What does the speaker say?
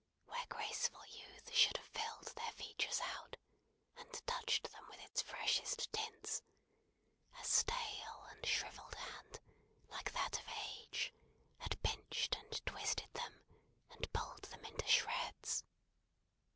Where graceful youth should have filled their features out, and touched them with its freshest tints, a stale and shrivelled hand, like that of age, had pinched, and twisted them, and pulled them into shreds.